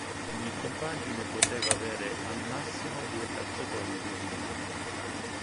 Ogni compagine poteva avere al massimo due calciatori designati.